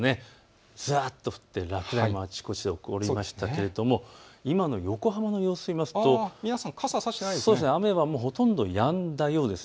ざーっと降って落雷もあちこちで起こりましたけれども今の横浜の様子を見ますと雨はもうほとんどやんだようです。